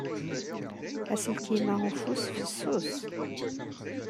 Aselkim-a ufus fessus.